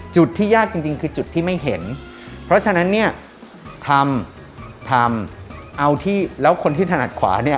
จุดที่ยากจริงจริงคือจุดที่ไม่เห็นเพราะฉะนั้นเนี่ยทำทำเอาที่แล้วคนที่ถนัดขวาเนี่ย